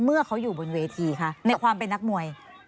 เมื่อเขาอยู่บนเวทีคะในความเป็นนักมวย